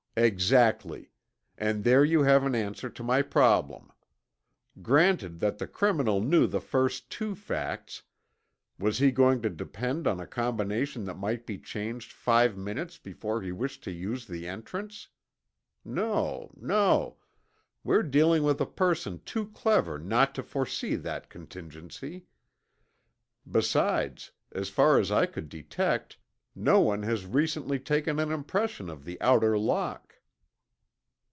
"Exactly; and there you have an answer to my problem. Granted that the criminal knew the first two facts, was he going to depend on a combination that might be changed five minutes before he wished to use the entrance? No, no, we're dealing with a person too clever not to foresee that contingency. Besides, as far as I could detect, no one has recently taken an impression of the outer lock."